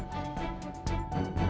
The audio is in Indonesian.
tante sadar tante